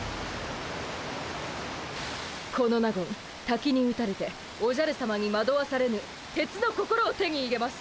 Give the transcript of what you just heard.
この納言たきに打たれておじゃるさまにまどわされぬ鉄の心を手に入れます。